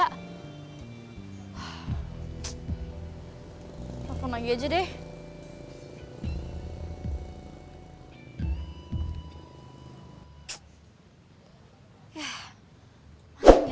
pas sampai tengah malam ini belum pulang juga